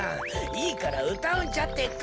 いいからうたうんじゃってか。